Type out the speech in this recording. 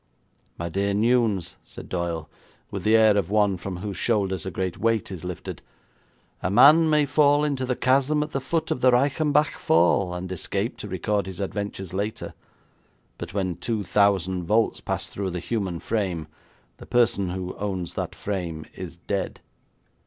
'My dear Newnes,' said Doyle, with the air of one from whose shoulders a great weight is lifted, 'a man may fall into the chasm at the foot of the Reichenbach Fall and escape to record his adventures later, but when two thousand volts pass through the human frame, the person who owns that frame is dead.'